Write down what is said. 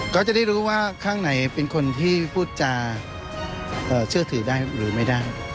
ก็จะได้รู้ว่าข้างไหนเป็นคนที่พูดจาเชื่อถือได้หรือไม่ได้